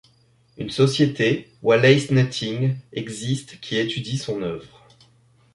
Une société Wallace Nutting existe qui étudie son œuvre.